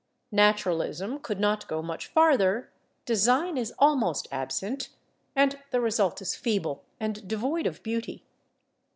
Naturalism could not go much farther, design is almost absent, and the result is feeble and devoid of beauty.